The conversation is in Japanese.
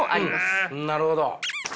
なるほど。